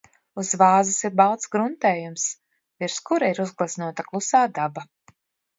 Uz vāzes ir balts gruntējums, virs kura ir uzgleznota klusā daba.